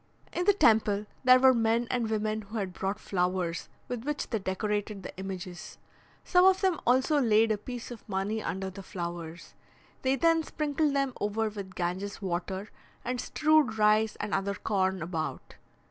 In the temple, there were men and women who had brought flowers, with which they decorated the images. Some of them also laid a piece of money under the flowers. They then sprinkled them over with Ganges' water, and strewed rice and other corn about.